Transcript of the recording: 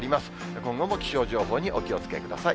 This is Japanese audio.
今後も気象情報にお気をつけください。